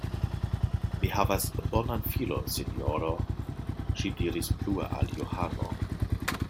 Mi havas bonan filon, sinjoro, ŝi diris plue al Johano.